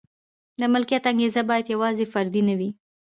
د ملکیت انګېزه باید یوازې فردي نه وي.